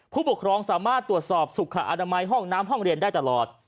ผู้ปกครองสามารถตรวจสอบสุขอนามัยห้องน้ำห้องเรียนได้ตลอด